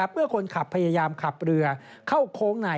เมื่อคนขับพยายามขับเรือเข้าโค้งใน